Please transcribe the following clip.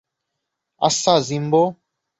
আচ্ছা, জিম্বো।